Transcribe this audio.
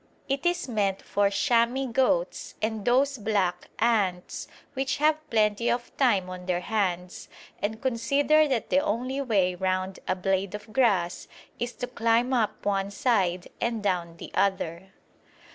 It is meant for chamois goats and those black ants which have plenty of time on their hands, and consider that the only way round a blade of grass is to climb up one side and down the other.